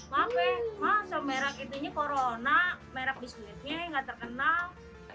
maaf ya mas merak itunya corona merk bisnisnya yang enggak terkenal